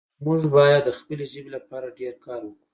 موږ باید د خپلې ژبې لپاره ډېر کار وکړو